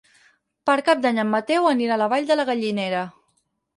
Per Cap d'Any en Mateu anirà a la Vall de Gallinera.